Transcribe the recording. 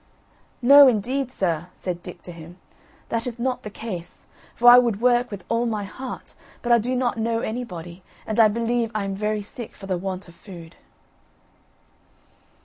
"No, indeed, sir," said Dick to him, "that is not the case, for I would work with all my heart, but I do not know anybody, and I believe I am very sick for the want of food."